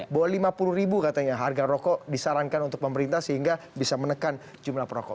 bahwa lima puluh ribu katanya harga rokok disarankan untuk pemerintah sehingga bisa menekan jumlah perokok